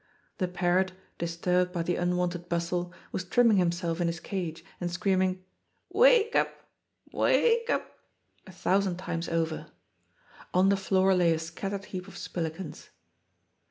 The parrot, disturbed by the unwonted bustle, was trim ming himself in his cage and screaming, '^ Wake up ! Wake up !" a thousand times over. On the floor lay a scattered heap of spillikens.